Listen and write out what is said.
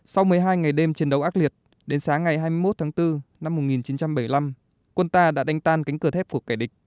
sau một mươi hai ngày đêm chiến đấu ác liệt đến sáng ngày hai mươi một tháng bốn năm một nghìn chín trăm bảy mươi năm quân ta đã đánh tan cánh cửa thép của kẻ địch